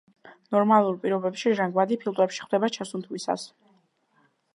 ნორმალურ პირობებში ჟანგბადი ფილტვებში ხვდება ჩასუნთქვისას.